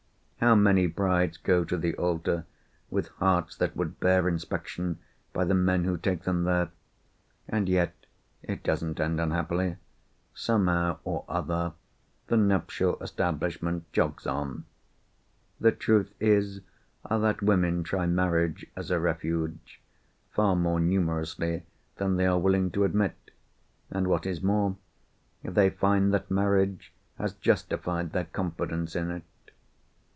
How many brides go to the altar with hearts that would bear inspection by the men who take them there? And yet it doesn't end unhappily—somehow or other the nuptial establishment jogs on. The truth is, that women try marriage as a Refuge, far more numerously than they are willing to admit; and, what is more, they find that marriage has justified their confidence in it.